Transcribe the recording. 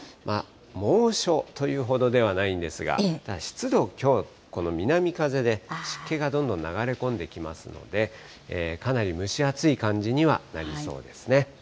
猛暑というほどではないんですが、ただ、湿度がきょう、この南風で湿気がどんどん流れ込んできますので、かなり蒸し暑い感じにはなりそうですね。